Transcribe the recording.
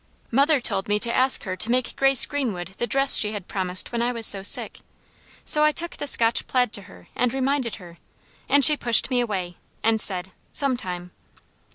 Mother told me to ask her to make Grace Greenwood the dress she had promised when I was so sick; so I took the Scotch plaid to her and reminded her, and she pushed me away and said: "Some time!"